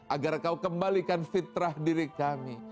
agar kau kembalikan fitrah diri kami